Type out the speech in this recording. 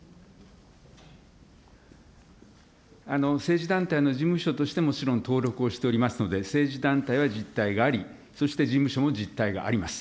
政治団体の事務所としてもちろん、登録をしておりますので、政治団体は実態があり、そして事務所も実態があります。